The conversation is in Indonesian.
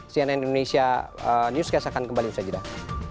cnn indonesia newscast akan kembali bersajidah